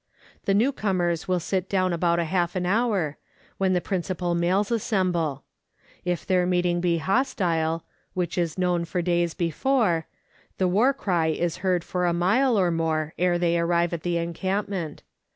The new comers will sit down about half an hour, when the principal males assemble. If their meeting be hostile (which is known for days before), the war cry is heard for a mile or more ere they arrive at the encampment.